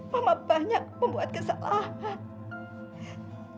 mama banyak membuat kesalahan